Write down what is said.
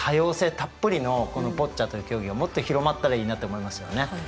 たっぷりのこのボッチャという競技をもっと広まったらいいなと思いますよね。